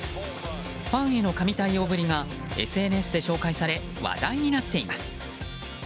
ファンへの神対応ぶりがＳＮＳで紹介され話題になっています。